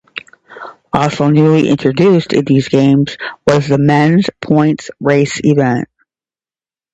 Also newly introduced in these Games was the men's points race event.